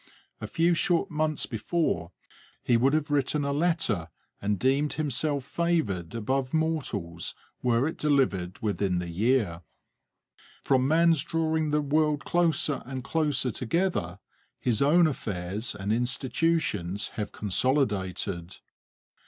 A few short months before he would have written a letter and deemed himself favoured above mortals were it delivered within the year. From man's drawing the world closer and closer together, his own affairs and institutions have consolidated.